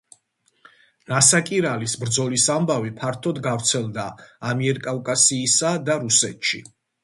ნასაკირალის ბრძოლის ამბავი ფართოდ გავრცელდა ამიერკავკასიისა და რუსეთში.